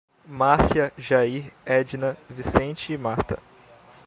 Márcia, Jair, Edna, Vicente e Marta